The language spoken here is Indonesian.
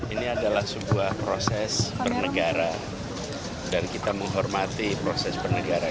ini adalah sebuah proses bernegara dan kita menghormati proses pernegaraan